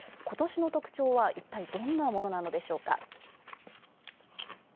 ことしの特徴はいったい、どんなものなのでしょうか？